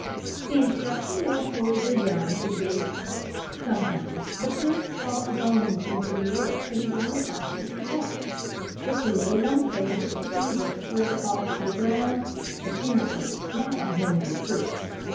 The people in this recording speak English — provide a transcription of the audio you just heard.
The instruction they afford their young is varied. Sometimes the parents toss bones into the air for the young foxes to catch. If the little one fails to seize it before it falls to the ground, the parent will snap at him in reproof.